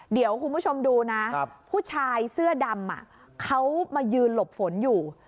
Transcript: เดี๋ยวคุณผู้ชมดูนะผู้ชายเสื้อดำเขามายืนหลบฝนอยู่